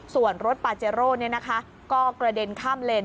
ส่วนรถปาเจโร่ก็กระเด็นข้ามเลน